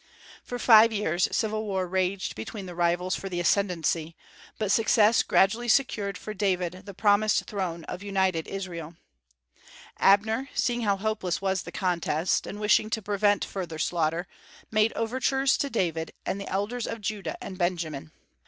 For five years civil war raged between the rivals for the ascendency, but success gradually secured for David the promised throne of united Israel. Abner, seeing how hopeless was the contest, and wishing to prevent further slaughter, made overtures to David and the elders of Judah and Benjamin.